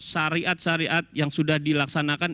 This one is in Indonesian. syariat syariat yang sudah dilaksanakan